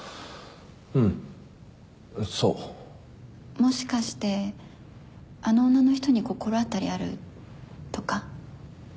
もしかしてあの女の人に心当たりあるとか。